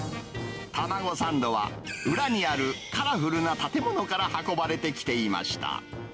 卵サンドは裏にあるカラフルな建物から運ばれてきていました。